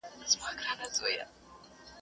o خوله يا د ولي ده، يا د ناولي.